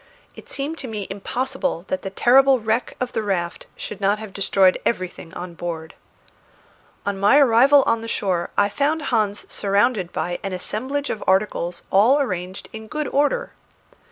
It seemed to me impossible that the terrible wreck of the raft should not have destroyed everything on board. On my arrival on the shore I found Hans surrounded by an assemblage of articles all arranged in good order.